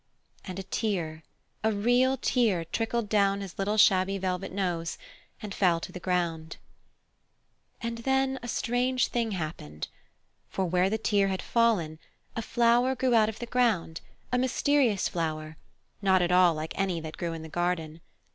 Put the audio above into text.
And a tear, a real tear, trickled down his little shabby velvet nose and fell to the ground. And then a strange thing happened. For where the tear had fallen a flower grew out of the ground, a mysterious flower, not at all like any that grew in the garden.